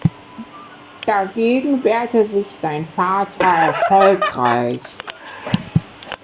Dagegen wehrte sich sein Vater erfolgreich.